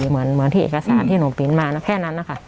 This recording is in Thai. เหมือนเหมือนที่เอกสารที่หนูปริ้นมาน่ะแค่นั้นนะคะ